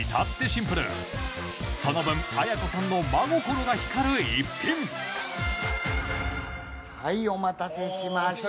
その分綾子さんの真心が光る逸品はいお待たせしました。